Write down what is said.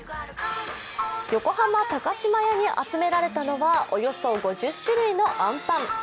横浜高島屋に集められたのはおよそ５０種類のあんぱん。